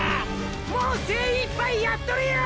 もう精いっぱいやっとるよ！！